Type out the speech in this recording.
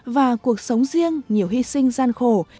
và cuộc sống riêng nhiều hy sinh gian khổ